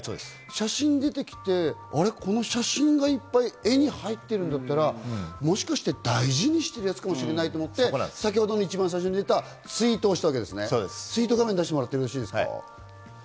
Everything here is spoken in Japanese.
写真が出てきて、この写真がいっぱい絵に入っているんだったら、もしかして大事にしているやつかもしれないと思って、先ほどの一番最初に出たツイートをしたわけですね。